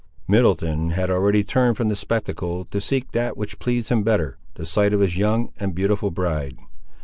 Middleton had already turned from the spectacle, to seek that which pleased him better; the sight of his young and beautiful bride.